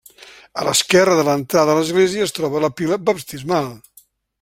A l'esquerra de l'entrada a l'església es troba la pila baptismal.